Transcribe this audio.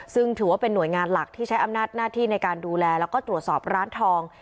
ซึ่งถือว่าเป็นหน่วยงานหลักที่ใช้อำนาจหน้าที่ในการดูแลแล้วก็ตรวจสอบร้านทอง